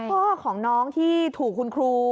พ่อของน้องที่ถูกคุณครู